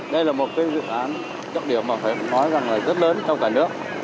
đây là một cái dự án trọng điểm mà phải nói rằng là rất lớn trong cả nước